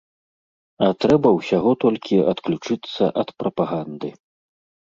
А трэба ўсяго толькі адключыцца ад прапаганды.